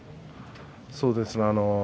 そうですね。